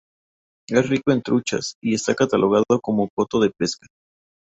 Es rico en truchas, y está catalogado como coto de pesca.